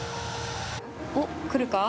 お、来るか？